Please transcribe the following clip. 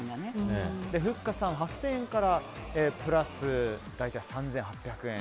ふっかさん８０００円からプラス３８００円。